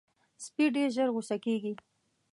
سپي ډېر ژر غصه کېږي.